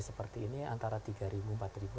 seperti ini antara tiga ribu empat ribu